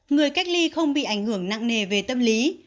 người cách ly không bị ảnh hưởng nặng nề về tâm lý